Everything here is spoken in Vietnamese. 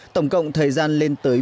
tổng cộng thời gian lên tới